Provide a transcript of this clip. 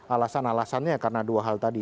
alasan alasannya karena dua hal tadi